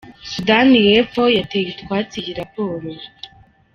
Sudani y’Epfo yateye utwatsi iyi raporo